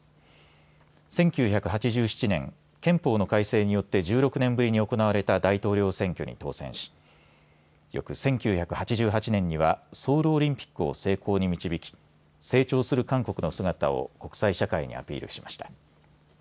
１９８７年、憲法の改正によって１６年ぶりに行われた大統領選挙に当選し翌１９８８年にはソウルオリンピックを成功に導き成長する韓国の姿を国際社会にアピールしました。